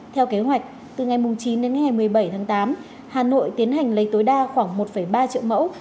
theo kế hoạch từ ngày chín đến ngày một mươi bảy tháng tám hà nội tiến hành lấy tối đa khoảng một ba triệu mẫu